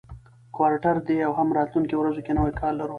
کوارټر دی او هم راتلونکو ورځو کې نوی کال لرو،